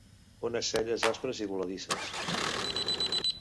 Unes celles aspres i voladisses.